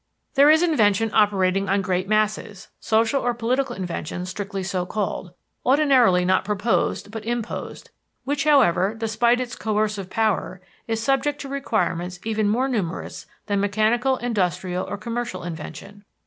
There is invention operating on great masses social or political invention strictly so called ordinarily not proposed but imposed, which, however, despite its coercive power, is subject to requirements even more numerous than mechanical, industrial, or commercial invention.